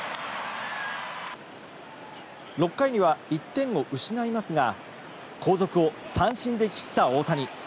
６回には１点を失いますが後続を三振で切った大谷。